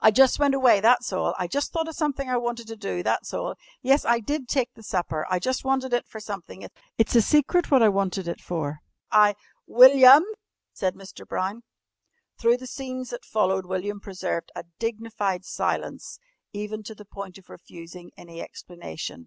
"I jus' went away, that's all! I jus' thought of something I wanted to do, that's all! Yes, I did take the supper. I jus' wanted it for something. It's a secret what I wanted it for, I " [Illustration: "WASN'T SHE A JOLLY LITTLE KID?" WILLIAM SAID EAGERLY.] "William!" said Mr. Brown. Through the scenes that followed William preserved a dignified silence, even to the point of refusing any explanation.